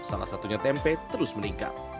salah satunya tempe terus meningkat